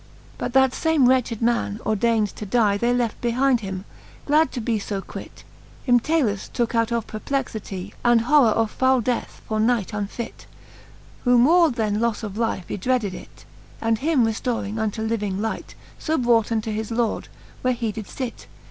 XXV. But that fame wretched man, ordaynd to die, They left behind them, glad to be fb quit :* Him Talus tooke out of perplexitie, And horrour of fowle death for knight unfit, Who more then lofTe of life ydreaded it 5 And him reftoring unto living light. So brought unto his lord, where he did fit.